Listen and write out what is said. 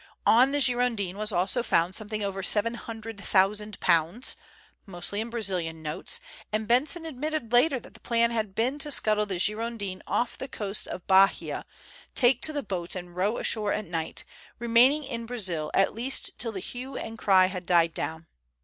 On the Girondin was also found something over £700,000, mostly in Brazilian notes, and Benson admitted later that the plan had been to scuttle the Girondin off the coast of Bahia, take to the boats and row ashore at night, remaining in Brazil at least till the hue and cry had died down.